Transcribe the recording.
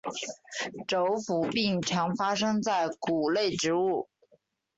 轴腐病常发生在谷类植物。